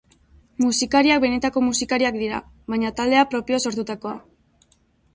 Musikariak benetako musikariak dira, baina taldea propio sortutakoa.